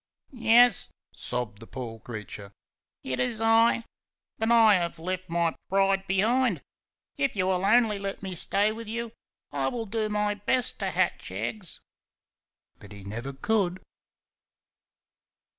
"Yes," sobbed the poor creature, "it is I; but I have left my pride behind. If you will only let me stay with you I will do my best to hatch eggs." But he never could.